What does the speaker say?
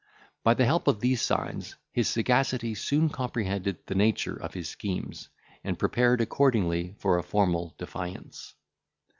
By the help of these signs, his sagacity soon comprehended the nature of his schemes, and prepared accordingly for a formal defiance.